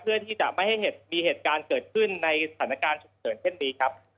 เพื่อที่จะไม่ให้เหตุมีเหตุการณ์เกิดขึ้นในศาลนักการณ์สุขเกิดแค่นี้ครับครับ